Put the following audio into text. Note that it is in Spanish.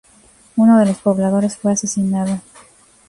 Uno de los pobladores fue asesinado.